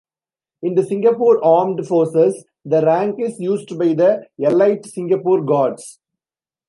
In the Singapore Armed Forces, the rank is used by the elite Singapore Guards.